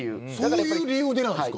そういう理由なんですか。